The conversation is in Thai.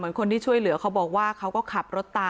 คือผู้ที่เขาเอาคลิปมาโพสต์บอกว่า